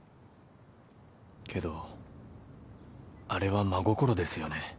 けどあれは真心ですよね？